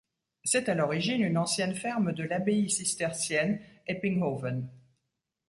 C’est à l’origine une ancienne ferme de l’abbaye cistercienne Eppinghoven.